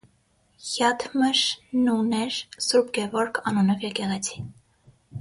Յաթմշն ուներ Ս. Գևորգ անունով եկեղեցի։